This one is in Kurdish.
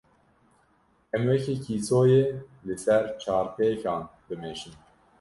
Em weke kîsoyê li ser çarpêkan bimeşin.